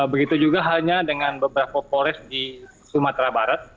begitu juga halnya dengan beberapa polres di sumatera barat